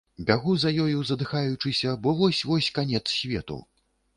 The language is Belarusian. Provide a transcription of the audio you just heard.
Бягу за ёю, задыхаючыся, бо вось-вось канец свету.